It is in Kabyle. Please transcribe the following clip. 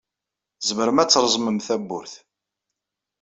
Tzemrem ad treẓmem tawwurt.